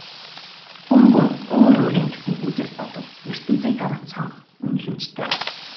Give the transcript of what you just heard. Хүн бүр өөр өөрийн гэсэн үзэл бодол, ертөнцийг харах цонх, үнэлэмжтэй.